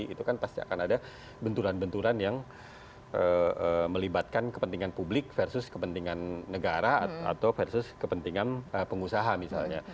itu kan pasti akan ada benturan benturan yang melibatkan kepentingan publik versus kepentingan negara atau versus kepentingan pengusaha misalnya